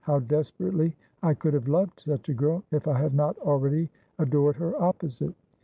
How desperately I could have loved such a girl, if 1 had not already adored her opposite.